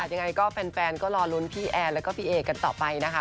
ยังไงก็แฟนก็รอลุ้นพี่แอร์แล้วก็พี่เอกันต่อไปนะคะ